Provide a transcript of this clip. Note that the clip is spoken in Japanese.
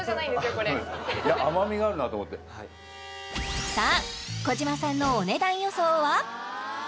これいや甘みがあるなと思ってさあ児嶋さんのお値段予想は？